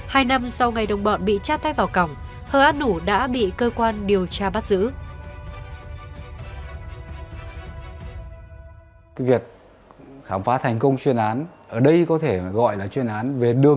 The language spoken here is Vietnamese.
hai năm sau ngày đồng bọn bị chát tay vào cổng hờ an hủ đã bị cơ quan điều tra bắt giữ